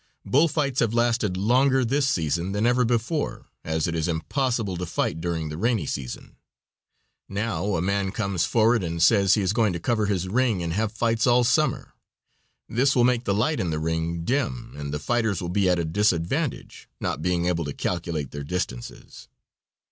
Bull fights have lasted longer this season than ever before, as it is impossible to fight during the rainy season. Now a man comes forward and says he is going to cover his ring and have fights all summer; this will make the light in the ring dim, and the fighters will be at a disadvantage, not being able to calculate their distances.